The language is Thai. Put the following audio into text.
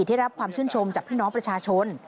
ได้รับความชื่นชมจากพี่น้องประชาชน